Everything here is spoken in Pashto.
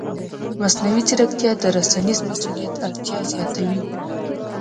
مصنوعي ځیرکتیا د رسنیز مسؤلیت اړتیا زیاتوي.